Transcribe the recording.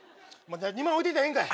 ２万置いていったらええんかい。